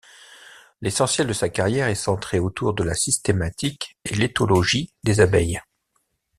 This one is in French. L’essentiel de sa carrière est centré autour de la systématique et l’éthologie des abeilles.